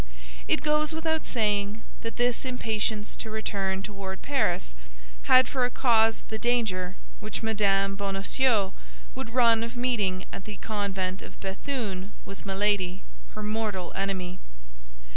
It goes without saying that this impatience to return toward Paris had for a cause the danger which Mme. Bonacieux would run of meeting at the convent of Béthune with Milady, her mortal enemy.